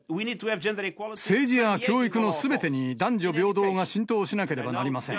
政治や教育のすべてに男女平等が浸透しなければなりません。